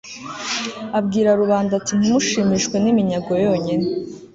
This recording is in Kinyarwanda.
abwira rubanda ati ntimushimishwe n'iminyago yonyine